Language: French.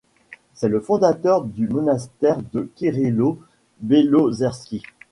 C'est le fondateur du Monastère de Kirillo-Belozersky.